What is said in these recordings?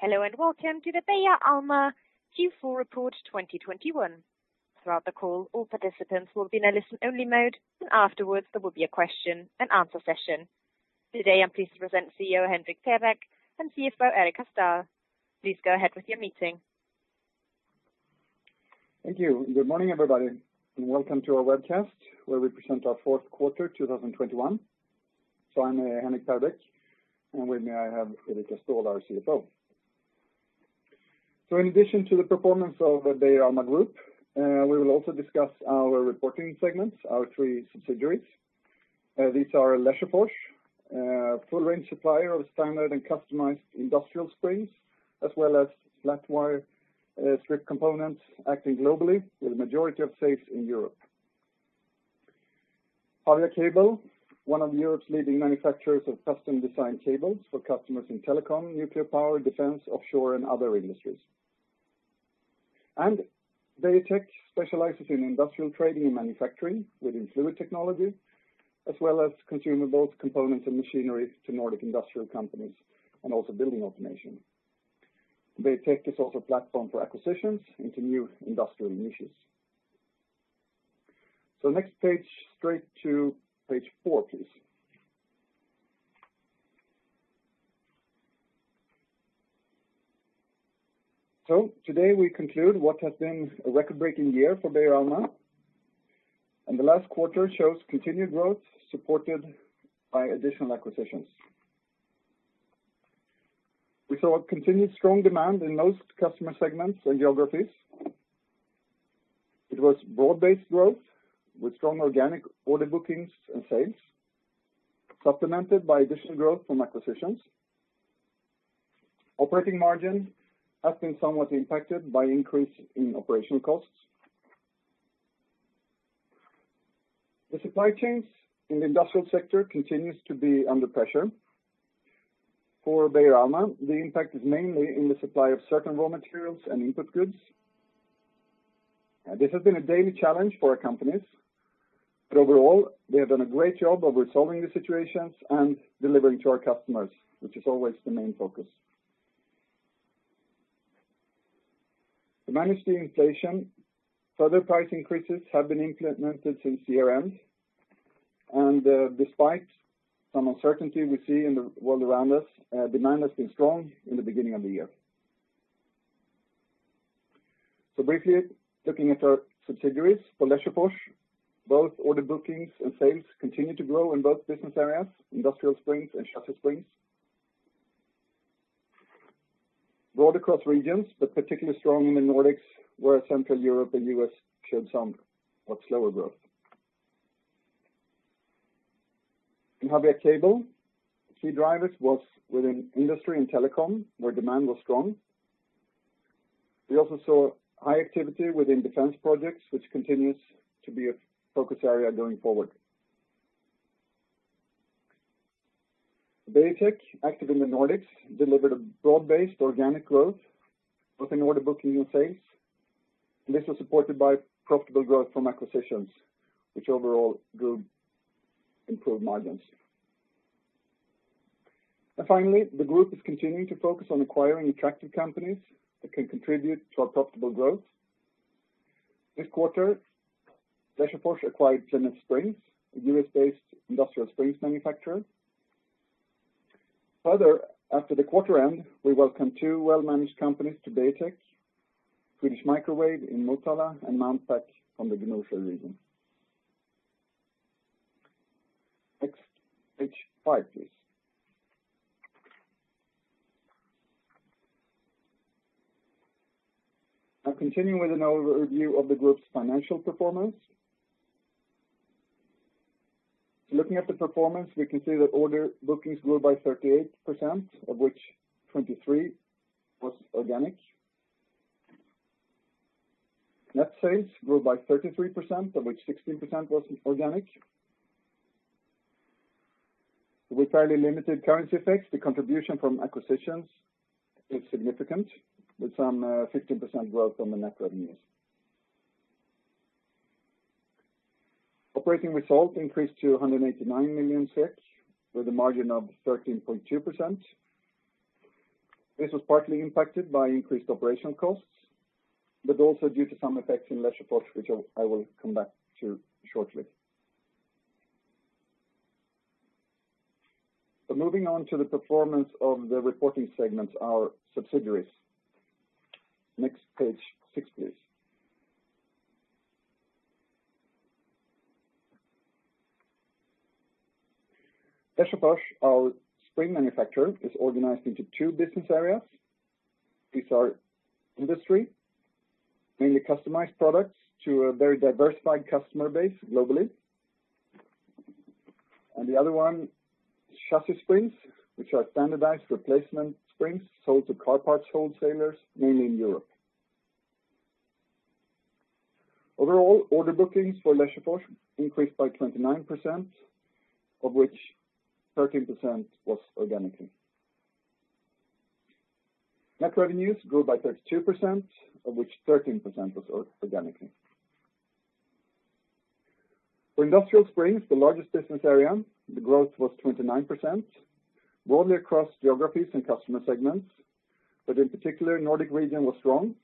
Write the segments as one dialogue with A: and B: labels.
A: Hello and welcome to the Beijer Alma Q4 2021 report. Throughout the call, all participants will be in a listen-only mode, and afterwards there will be a question and answer session. Today, I'm pleased to present CEO Henrik Perbeck and CFO Erika Ståhl. Please go ahead with your meeting.
B: Thank you. Good morning, everybody, and welcome to our webcast where we present our fourth quarter 2021. I'm Henrik Perbeck, and with me I have Erika Ståhl, our CFO. In addition to the performance of the Beijer Alma group, we will also discuss our reporting segments, our three subsidiaries. These are Lesjöfors, a full range supplier of standard and customized industrial springs, as well as flat strip components acting globally with the majority of sales in Europe. Habia Cable, one of Europe's leading manufacturers of custom-designed cables for customers in telecom, nuclear power, defense, offshore, and other industries. Beijer Tech specializes in industrial trading and manufacturing within Fluid Technology as well as consumables and machinery to Nordic industrial companies and also building automation. Beijer Tech is also a platform for acquisitions into new industrial niches. Next page, straight to page four, please. Today we conclude what has been a record-breaking year for Beijer Alma, and the last quarter shows continued growth supported by additional acquisitions. We saw continued strong demand in most customer segments and geographies. It was broad-based growth with strong organic order bookings and sales, supplemented by additional growth from acquisitions. Operating margin has been somewhat impacted by increase in operational costs. The supply chains in the industrial sector continues to be under pressure. For Beijer Alma, the impact is mainly in the supply of certain raw materials and input goods. This has been a daily challenge for our companies, but overall, they have done a great job of resolving the situations and delivering to our customers, which is always the main focus. To manage the inflation, further price increases have been implemented since year-end, and, despite some uncertainty we see in the world around us, demand has been strong in the beginning of the year. Briefly looking at our subsidiaries for Lesjöfors, both order bookings and sales continue to grow in both business areas, industrial springs and Chassis Springs. Growth across regions, but particularly strong in the Nordics, where Central Europe and U.S. showed some, but slower growth. In Habia Cable, key drivers was within industry and telecom, where demand was strong. We also saw high activity within defense projects, which continues to be a focus area going forward. Beijer Tech, active in the Nordics, delivered a broad-based organic growth within order booking and sales. This was supported by profitable growth from acquisitions, which overall drove improved margins. Finally, the group is continuing to focus on acquiring attractive companies that can contribute to our profitable growth. This quarter, Lesjöfors acquired Plymouth Spring, a U.S.-based industrial springs manufacturer. Further, after the quarter end, we welcome two well-managed companies to Beijer Tech, Swedish Microwave in Motala and Mountpac from the Gnosjö region. Next, page five, please. Now continuing with an overview of the group's financial performance. Looking at the performance, we can see that order bookings grew by 38%, of which 23% was organic. Net sales grew by 33%, of which 16% was organic. With fairly limited currency effects, the contribution from acquisitions is significant, with some 15% growth on the net revenues. Operating results increased to 189 million, with a margin of 13.2%. This was partly impacted by increased operational costs, but also due to some effects in Lesjöfors, which I will come back to shortly. Moving on to the performance of the reporting segments, our subsidiaries. Next, page six, please. Lesjöfors, our spring manufacturer, is organized into two business areas. These are Industry, mainly customized products to a very diversified customer base globally. The other one, Chassis Springs, which are standardized replacement springs sold to car parts wholesalers, mainly in Europe. Overall, order bookings for Lesjöfors increased by 29%, of which 13% was organically. Net revenues grew by 32%, of which 13% was organic. For Industrial Springs, the largest business area, the growth was 29% broadly across geographies and customer segments, but in particular, Nordic region was strong,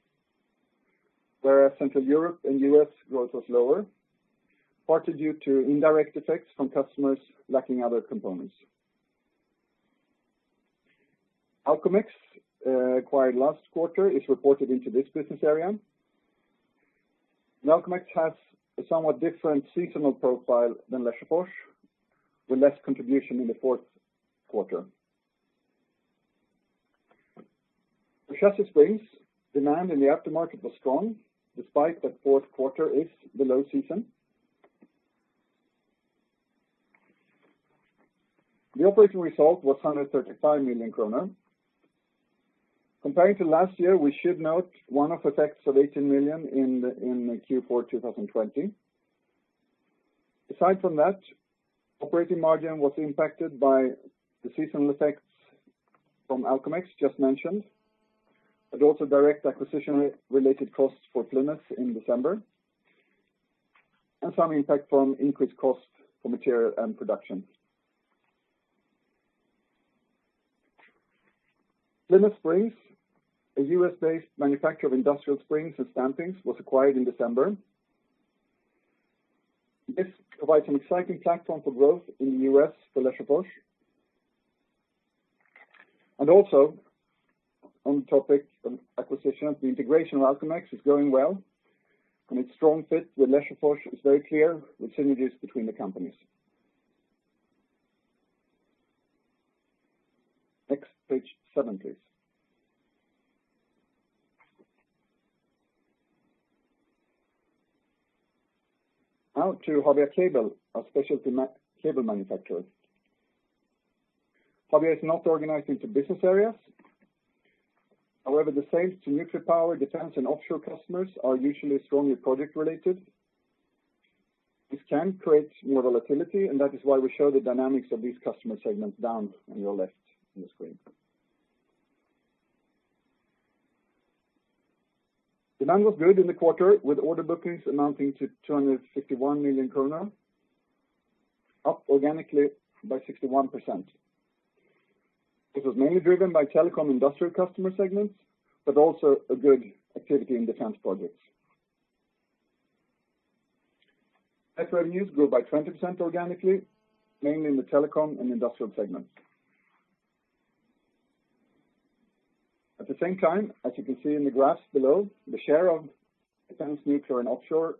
B: whereas Central Europe and U.S. growth was lower, partly due to indirect effects from customers lacking other components. Alcomex, acquired last quarter, is reported into this business area. Alcomex has a somewhat different seasonal profile than Lesjöfors with less contribution in the fourth quarter. For Chassis Springs, demand in the aftermarket was strong despite that fourth quarter is the low season. The operating result was 135 million kronor. Comparing to last year, we should note one-off effects of 18 million in Q4 2020. Aside from that, operating margin was impacted by the seasonal effects from Alcomex just mentioned, but also direct acquisition-related costs for Plymouth in December, and some impact from increased cost for material and production. Plymouth Spring Company, a U.S.-based manufacturer of industrial springs and stampings, was acquired in December. This provides an exciting platform for growth in the U.S. for Lesjöfors. Also on the topic of acquisition, the integration of Alcomex is going well, and its strong fit with Lesjöfors is very clear with synergies between the companies. Next, page seven, please. Now to Habia Cable, a specialty cable manufacturer. Habia is not organized into business areas. However, the sales to nuclear power, defense, and offshore customers are usually strongly project related. This can create more volatility, and that is why we show the dynamics of these customer segments down on your left on the screen. Demand was good in the quarter with order bookings amounting to 261 million kronor, up organically by 61%. This was mainly driven by telecom and industrial customer segments, but also a good activity in defense projects. Net revenues grew by 20% organically, mainly in the telecom and industrial segments. At the same time, as you can see in the graphs below, the share of defense, nuclear, and offshore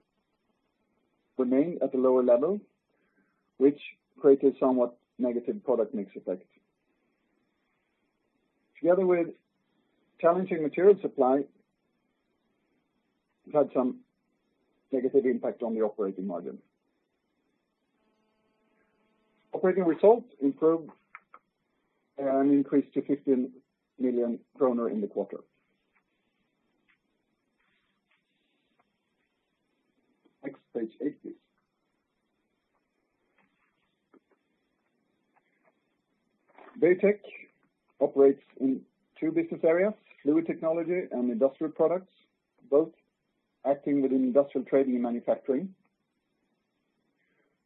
B: remain at a lower level, which created somewhat negative product mix effect. Together with challenging material supply, we've had some negative impact on the operating margin. Operating results improved and increased to 15 million kronor in the quarter. Next page eight, please. Beijer Tech operates in two business areas, Fluid Technology and industrial products, both acting within industrial trading and manufacturing.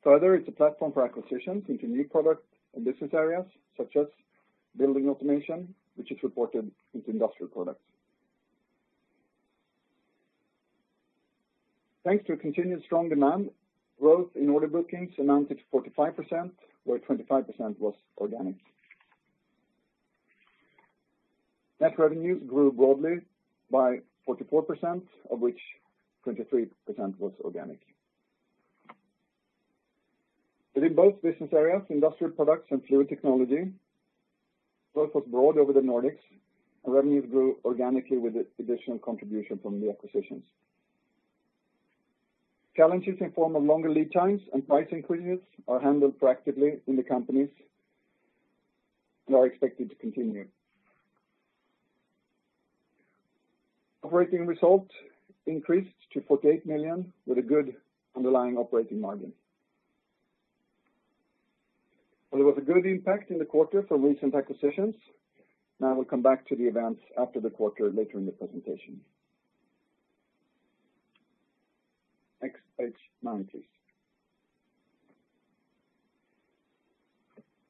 B: Further, it's a platform for acquisitions into new product and business areas such as building automation, which is reported into Industrial Products. Thanks to a continued strong demand, growth in order bookings amounted to 45%, where 25% was organic. Net revenues grew broadly by 44%, of which 23% was organic. In both business areas, Industrial Products and Fluid Technology, growth was broad over the Nordics, and revenues grew organically with the additional contribution from the acquisitions. Challenges in the form of longer lead times and price increases are handled proactively in the companies and are expected to continue. Operating results increased to 48 million with a good underlying operating margin. There was a good impact in the quarter from recent acquisitions. I will come back to the events after the quarter later in the presentation. Next page nine, please.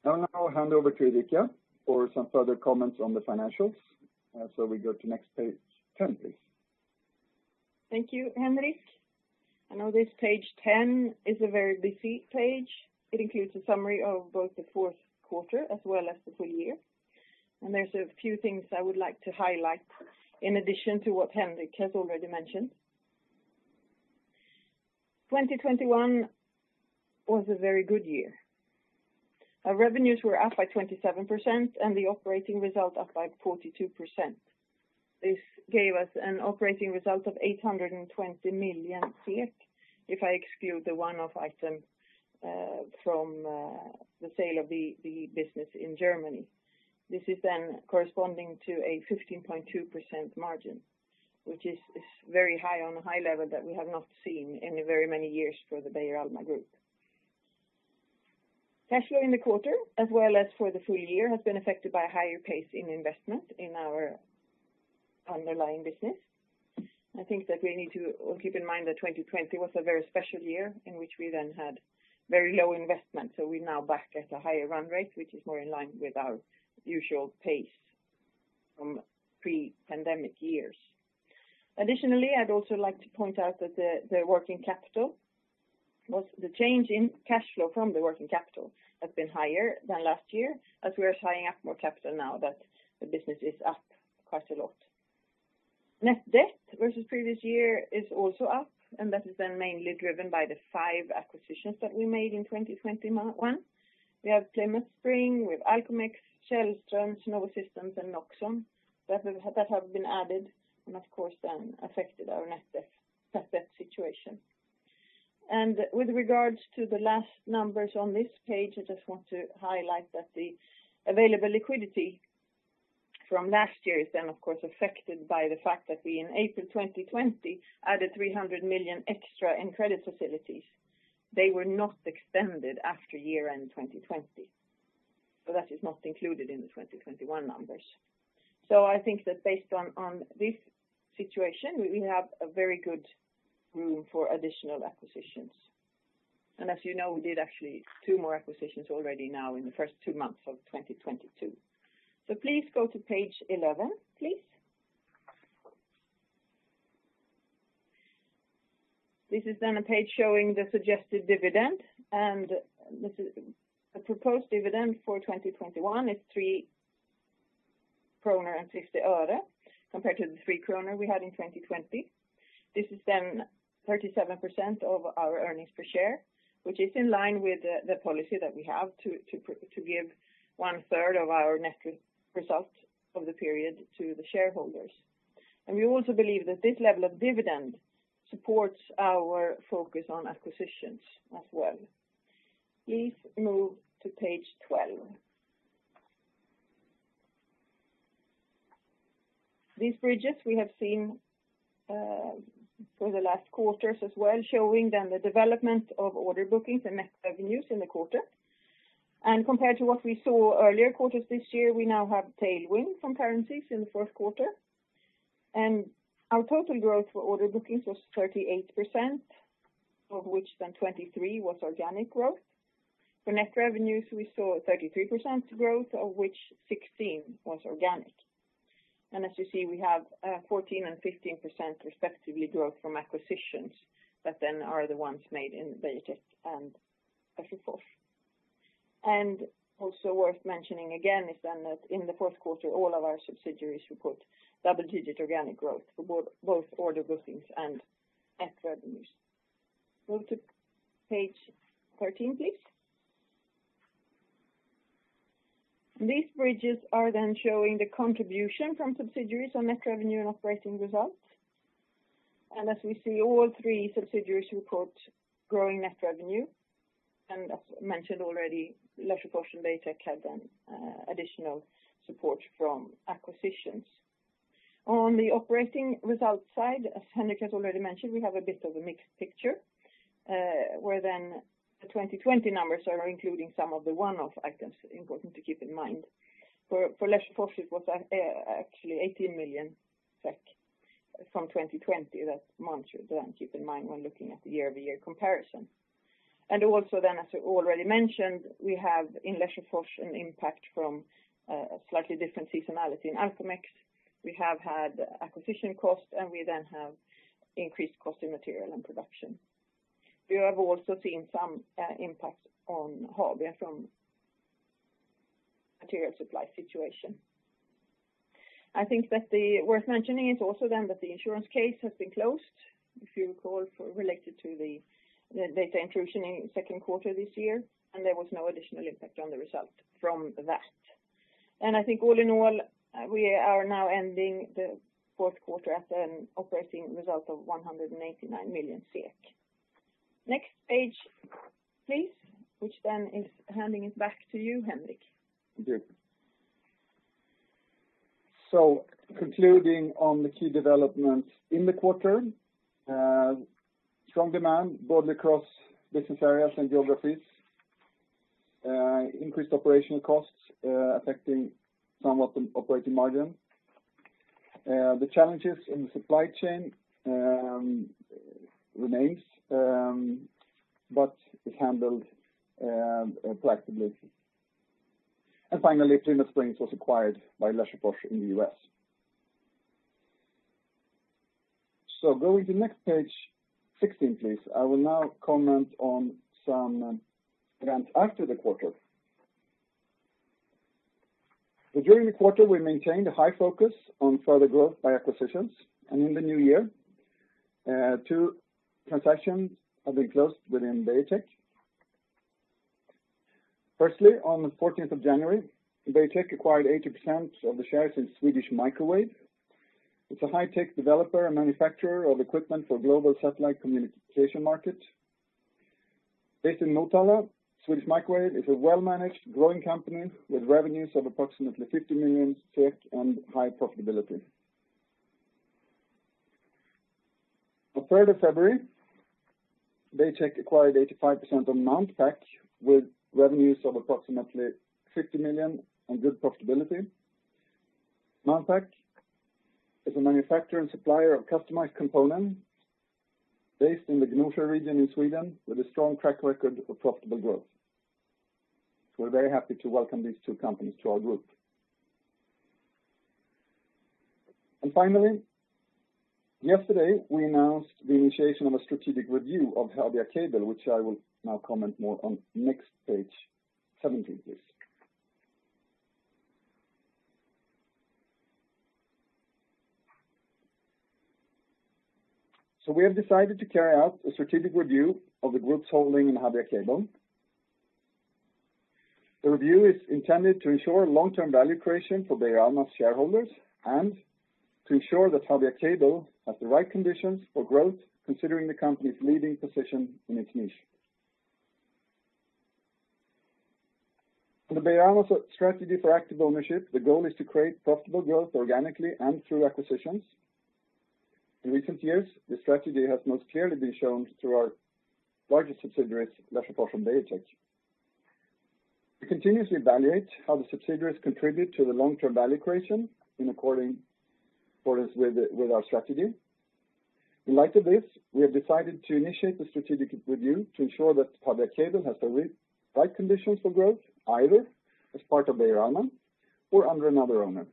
B: I'll now hand over to Erika for some further comments on the financials. We go to next page 10, please.
C: Thank you, Henrik. I know this page 10 is a very busy page. It includes a summary of both the fourth quarter as well as the full year. There's a few things I would like to highlight in addition to what Henrik has already mentioned. 2021 was a very good year. Our revenues were up by 27% and the operating result up by 42%. This gave us an operating result of 820 million, if I exclude the one-off item from the sale of the business in Germany. This is then corresponding to a 15.2% margin, which is very high on a high level that we have not seen in very many years for the Beijer Alma group. Cash flow in the quarter, as well as for the full year, has been affected by a higher pace in investment in our underlying business. I think that we need to keep in mind that 2020 was a very special year in which we then had very low investment. We're now back at a higher run rate, which is more in line with our usual pace from pre-pandemic years. Additionally, I'd also like to point out that the change in cash flow from the working capital has been higher than last year as we are tying up more capital now that the business is up quite a lot. Net debt versus previous year is also up, and that has been mainly driven by the five acquisitions that we made in 2021. We have Plymouth Spring, we have Alcomex, Källström, Novosystems, and Noxon that have been added, and of course then affected our net debt situation. With regards to the last numbers on this page, I just want to highlight that the available liquidity from last year is then of course affected by the fact that we in April 2020 added 300 million extra in credit facilities. They were not extended after year-end 2020. That is not included in the 2021 numbers. I think that based on this situation, we have a very good room for additional acquisitions. As you know, we did actually two more acquisitions already now in the first two months of 2022. Please go to page 11, please. This is then a page showing the suggested dividend, and this is a proposed dividend for 2021 is SEK 3.50 compared to the 3 kronor we had in 2020. This is then 37% of our earnings per share, which is in line with the policy that we have to give one third of our net result of the period to the shareholders. We also believe that this level of dividend supports our focus on acquisitions as well. Please move to page 12. These bridges we have seen for the last quarters as well, showing then the development of order bookings and net revenues in the quarter. Compared to what we saw earlier quarters this year, we now have tailwind from currencies in the first quarter. Our total growth for order bookings was 38%, of which then 23% was organic growth. For net revenues, we saw a 33% growth, of which 16% was organic. As you see, we have 14% and 15% respectively growth from acquisitions that then are the ones made in Beijer Tech and Lesjöfors. Also worth mentioning again is then that in the fourth quarter, all of our subsidiaries report double-digit organic growth for both order bookings and net revenues. Go to page 13, please. These bridges are then showing the contribution from subsidiaries on net revenue and operating results. As we see, all three subsidiaries report growing net revenue. As mentioned already, Lesjöfors and Beijer Tech had then additional support from acquisitions. On the operating result side, as Henrik has already mentioned, we have a bit of a mixed picture, where then the 2020 numbers are including some of the one-off items important to keep in mind. For Lesjöfors was actually 18 million from 2020. That one should then keep in mind when looking at the year-over-year comparison. As we already mentioned, we have in Lesjöfors an impact from a slightly different seasonality in Alcomex. We have had acquisition costs, and we then have increased cost in material and production. We have also seen some impact on Habia from material supply situation. I think that worth mentioning is also then that the insurance case has been closed, if you recall, regarding the data intrusion in second quarter this year, and there was no additional impact on the result from that. I think all in all, we are now ending the fourth quarter at an operating result of 189 million. Next page, please, which then is handing it back to you, Henrik.
B: Thank you. Concluding on the key developments in the quarter, strong demand broadly across business areas and geographies. Increased operational costs, affecting somewhat the operating margin. The challenges in the supply chain remain, but are handled flexibly. Finally, Plymouth Spring was acquired by Lesjöfors in the U.S.. Going to next page, 16, please. I will now comment on some events after the quarter. During the quarter, we maintained a high focus on further growth by acquisitions. In the new year, two transactions have been closed within Beijer Tech. Firstly, on the 14th of January, Beijer Tech acquired 80% of the shares in Swedish Microwave. It's a high-tech developer and manufacturer of equipment for global satellite communication market. Based in Motala, Swedish Microwave is a well-managed growing company with revenues of approximately 50 million and high profitability. On third of February, Beijer Tech acquired 85% of Mountpac with revenues of approximately 50 million on good profitability. Mountpac is a manufacturer and supplier of customized component based in the Gnosjö region in Sweden with a strong track record of profitable growth. We're very happy to welcome these two companies to our group. Finally, yesterday, we announced the initiation of a strategic review of Habia Cable, which I will now comment more on next page. 17, please. We have decided to carry out a strategic review of the group's holding in Habia Cable. The review is intended to ensure long-term value creation for Beijer Alma's shareholders and to ensure that Habia Cable has the right conditions for growth, considering the company's leading position in its niche. For Beijer Alma's strategy for active ownership, the goal is to create profitable growth organically and through acquisitions. In recent years, the strategy has most clearly been shown through our largest subsidiaries, Lesjöfors and Beijer Tech. We continuously evaluate how the subsidiaries contribute to the long-term value creation in accordance with our strategy. In light of this, we have decided to initiate the strategic review to ensure that Habia Cable has the right conditions for growth, either as part of Beijer Alma or under another owner.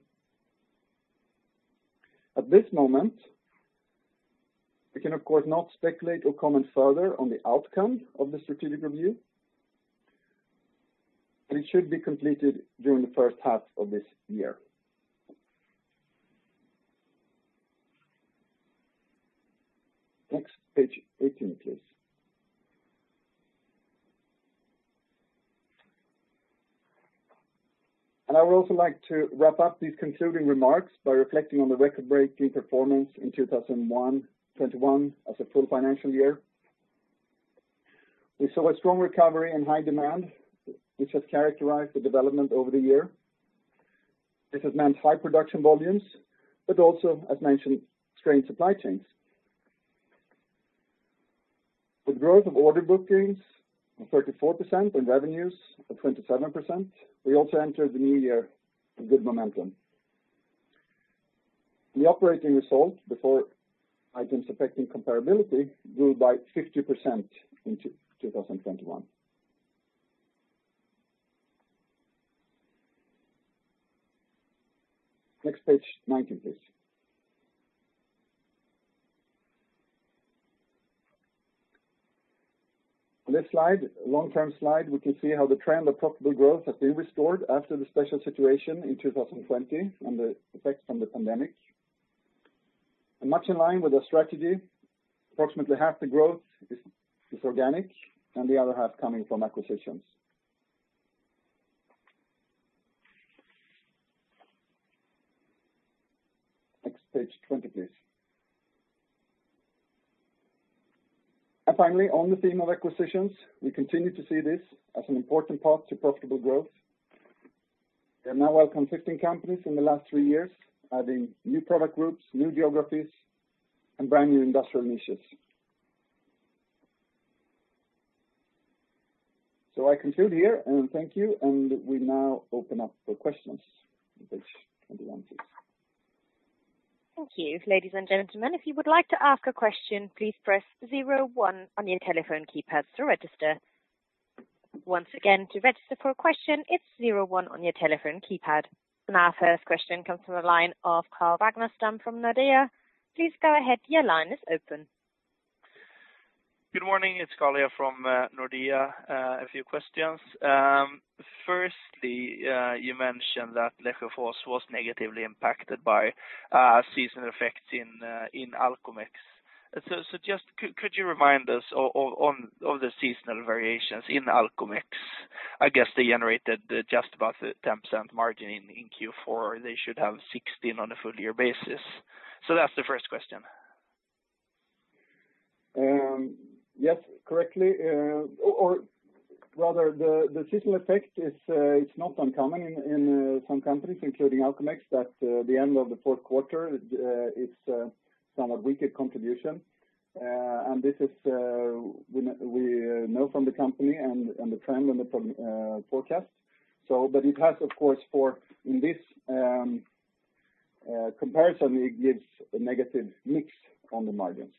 B: At this moment, we can, of course, not speculate or comment further on the outcome of the strategic review, but it should be completed during the first half of this year. Next, page 18, please. I would also like to wrap up these concluding remarks by reflecting on the record-breaking performance in 2021 as a full financial year. We saw a strong recovery and high demand, which has characterized the development over the year. This has meant high production volumes, but also, as mentioned, strained supply chains. With growth of order bookings of 34% and revenues of 27%, we also entered the new year with good momentum. The operating results before items affecting comparability grew by 50% in 2021. Next, page 19, please. On this slide, long-term slide, we can see how the trend of profitable growth has been restored after the special situation in 2020 and the effects from the pandemic. Much in line with the strategy, approximately half the growth is organic and the other half coming from acquisitions. Next, page 20, please. Finally, on the theme of acquisitions, we continue to see this as an important path to profitable growth. We have now welcomed 16 companies in the last three years, adding new product groups, new geographies, and brand-new industrial niches. I conclude here, and thank you. We now open up for questions. Page 21, please.
A: Our first question comes from the line of Carl Ragnerstam from Nordea. Please go ahead. Your line is open.
D: Good morning. It's Carl from Nordea. A few questions. First, you mentioned that Lesjöfors was negatively impacted by seasonal effects in Alcomex. Could you remind us on the seasonal variations in Alcomex? I guess they generated just about the 10% margin in Q4. They should have 16% on a full-year basis. That's the first question.
B: Yes, correctly. Or rather, the seasonal effect is. It's not uncommon in some companies, including Alcomex, that the end of the fourth quarter it's somewhat weaker contribution. This is, we know from the company and the trend and the forecast. It has, of course, in this comparison, it gives a negative mix on the margins.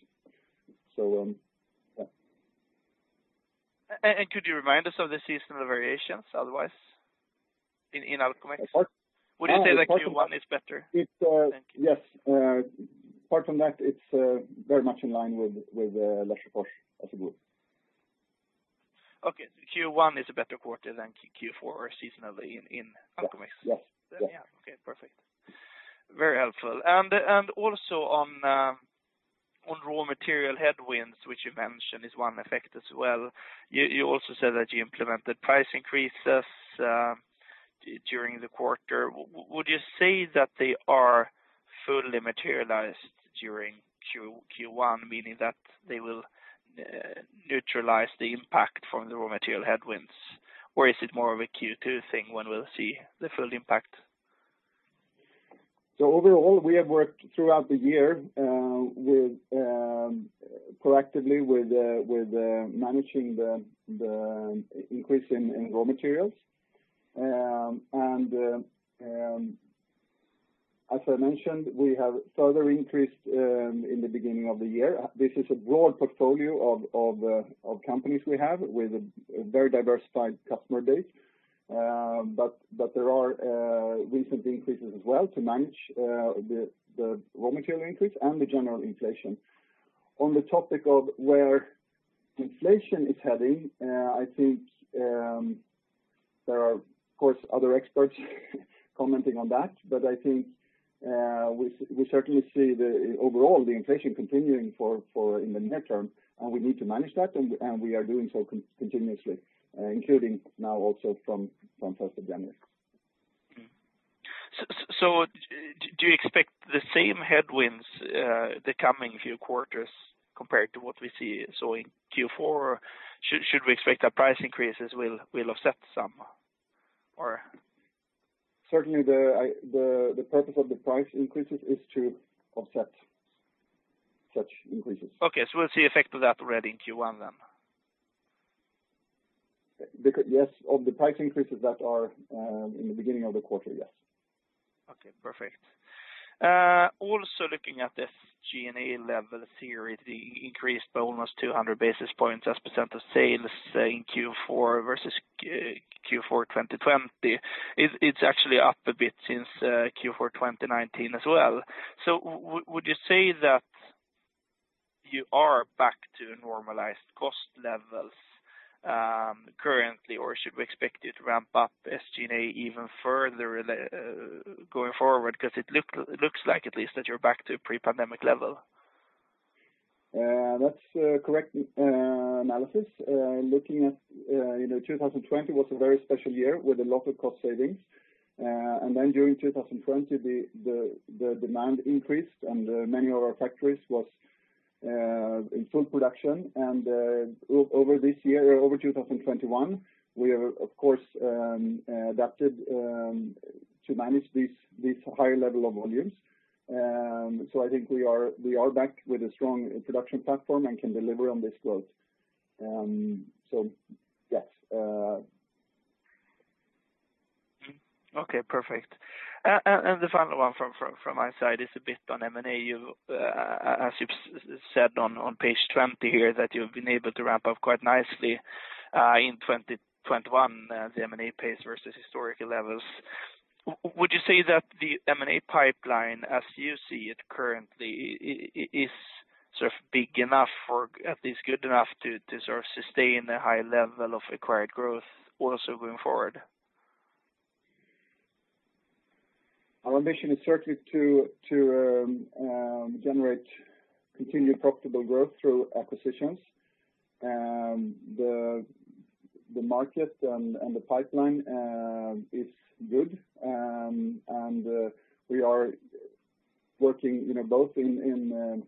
B: Yeah.
D: Could you remind us of the seasonal variations otherwise in Alcomex?
B: Of course.
D: Would you say that Q1 is better than Q4?
B: It's yes. Apart from that, it's very much in line with Lesjöfors as a group.
D: Okay. Q1 is a better quarter than Q4 or seasonally in Alcomex.
B: Yes. Yes.
D: Yeah. Okay. Perfect. Very helpful. Also on raw material headwinds, which you mentioned is one effect as well. You also said that you implemented price increases during the quarter. Would you say that they are fully materialized during Q1, meaning that they will neutralize the impact from the raw material headwinds? Or is it more of a Q2 thing when we'll see the full impact?
B: Overall, we have worked throughout the year proactively with managing the increase in raw materials. As I mentioned, we have further increased in the beginning of the year. This is a broad portfolio of companies we have with a very diversified customer base. There are recent increases as well to manage the raw material increase and the general inflation. On the topic of where inflation is heading, I think there are, of course, other experts commenting on that. I think we certainly see overall the inflation continuing in the near term, and we need to manage that, and we are doing so continuously, including now also from 1st of January.
D: Do you expect the same headwinds the coming few quarters compared to what we see, say, in Q4? Should we expect that price increases will offset some or?
B: Certainly the purpose of the price increases is to offset such increases.
D: Okay. We'll see effect of that already in Q1 then?
B: Yes. Of the price increases that are in the beginning of the quarter, yes.
D: Okay. Perfect. Also looking at this G&A level, SG&A increased by almost 200 basis points as a % of sales in Q4 versus Q4 2020. It's actually up a bit since Q4 2019 as well. Would you say that you are back to normalized cost levels currently? Or should we expect you to ramp up SG&A even further going forward? 'Cause it looks like at least that you're back to pre-pandemic level.
B: That's a correct analysis. Looking at, you know, 2020 was a very special year with a lot of cost savings. Then during 2020, the demand increased and many of our factories was in full production. Over 2021, we have, of course, adapted to manage these higher level of volumes. I think we are back with a strong production platform and can deliver on this growth. Yes.
D: Okay, perfect. The final one from my side is a bit on M&A. As you said on page 20 here that you've been able to ramp up quite nicely in 2021 the M&A pace versus historical levels. Would you say that the M&A pipeline, as you see it currently, is sort of big enough or at least good enough to sort of sustain the high level of acquired growth also going forward?
B: Our mission is certainly to generate continued profitable growth through acquisitions. The market and the pipeline is good. We are working, you know, both in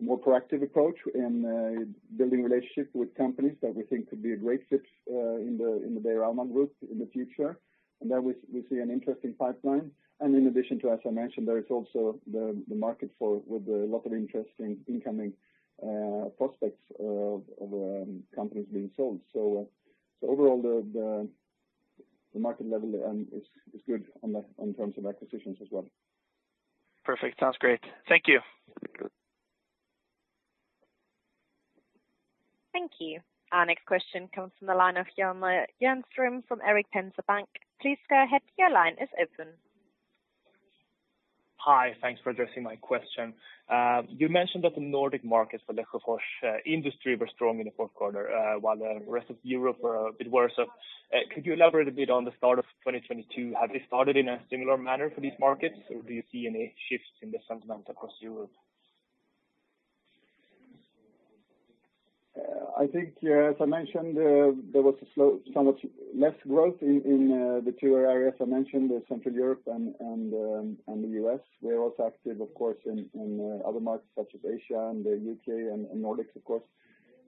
B: more proactive approach in building relationships with companies that we think could be a great fit in the Beijer Alma group in the future. There we see an interesting pipeline. In addition to, as I mentioned, there is also the market with a lot of interesting incoming prospects of companies being sold. Overall the market level is good in terms of acquisitions as well.
D: Perfect. Sounds great. Thank you.
B: Good.
A: Thank you. Our next question comes from the line of Johan Wattenström from Erik Penser Bank. Please go ahead. Your line is open.
E: Hi. Thanks for addressing my question. You mentioned that the Nordic markets for Lesjöfors industry were strong in the fourth quarter, while the rest of Europe were a bit worse. Could you elaborate a bit on the start of 2022? Have they started in a similar manner for these markets, or do you see any shifts in the sentiment across Europe?
B: I think, as I mentioned, there was somewhat less growth in the two areas I mentioned, Central Europe and the U.S.. We are also active of course in other markets such as Asia and the U.K. and Nordics of course.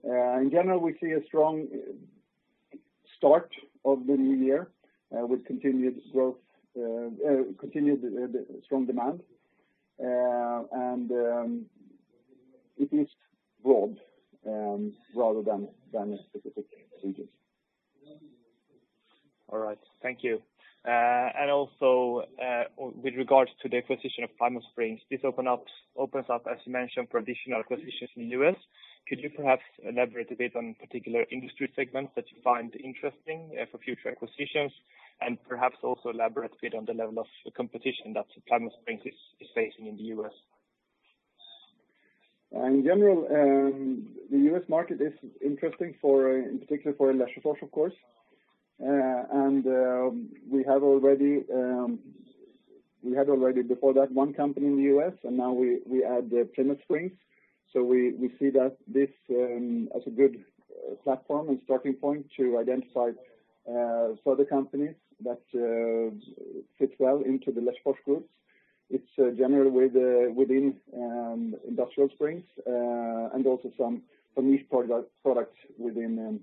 B: In general, we see a strong start of the new year with continued growth, continued strong demand, at least broad rather than a specific region.
E: All right. Thank you. Also, with regards to the acquisition of Plymouth Spring, this opens up, as you mentioned, for additional acquisitions in the U.S. Could you perhaps elaborate a bit on particular industry segments that you find interesting, for future acquisitions? Perhaps also elaborate a bit on the level of competition that Plymouth Spring is facing in the U.S.
B: In general, the U.S. market is interesting for, in particular for Lesjöfors, of course. We had already before that one company in the U.S., and now we add the Plymouth Spring. We see that this as a good platform and starting point to identify further companies that fit well into the Lesjöfors group. It's generally within industrial springs and also some niche products within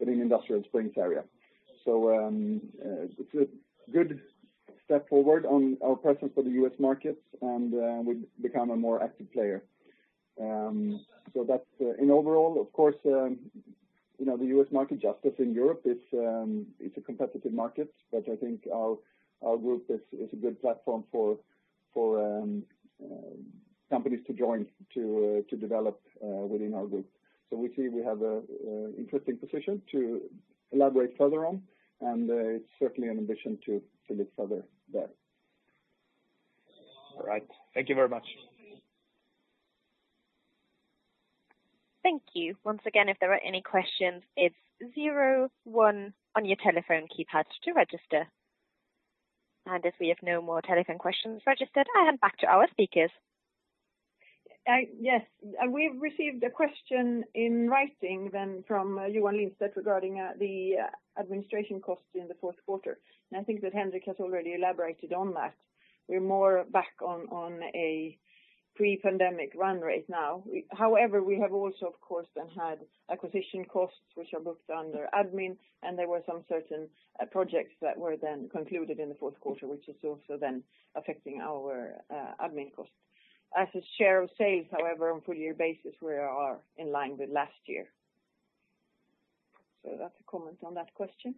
B: industrial springs area. It's a good step forward on our presence for the U.S. market and we've become a more active player. That's... Overall, of course, you know, the U.S. market, just as in Europe, is a competitive market, but I think our group is a good platform for companies to join, to develop within our group. We see we have a interesting position to elaborate further on, and it's certainly an ambition to push it further there.
E: All right. Thank you very much.
A: Thank you. Once again, if there are any questions, it's zero one on your telephone keypad to register. As we have no more telephone questions registered, I hand back to our speakers.
C: Yes. We've received a question in writing then from Johan Lindstedt regarding the administration costs in the fourth quarter. I think that Henrik has already elaborated on that. We're more back on a pre-pandemic run rate now. However, we have also of course then had acquisition costs, which are booked under admin, and there were some certain projects that were then concluded in the fourth quarter, which is also then affecting our admin costs. As a share of sales, however, on full year basis, we are in line with last year. That's a comment on that question.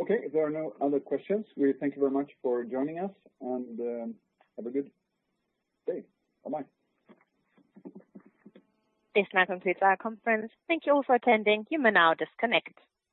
B: Okay. If there are no other questions, we thank you very much for joining us and have a good day. Bye-bye.
A: This now concludes our conference. Thank you all for attending. You may now disconnect.